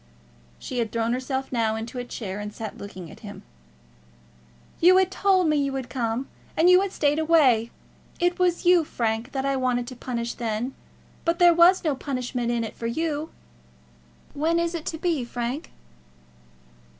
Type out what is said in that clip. She had thrown herself now into a chair, and sat looking at him. "You had told me that you would come, and you had stayed away. It was you, Frank, that I wanted to punish then; but there was no punishment in it for you. When is it to be, Frank?"